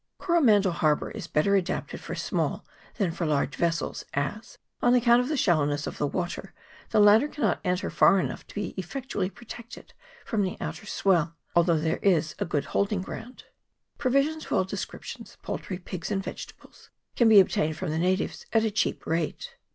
Coromandel Harbour is better adapted for small than for large vessels, as, on account of the shallow ness of the water, the latter cannot enter far enough to be effectually protected from the outer swell, al though there is good holding ground. Provisions of all descriptions, poultry, pigs, and vegetables, can be obtained from the natives at a cheap rate.